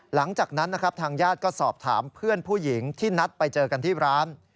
หลังจากนั้นนะครับทางญาติก็สอบถามเพื่อนผู้หญิงที่นัดไปเจอกันที่ร้าน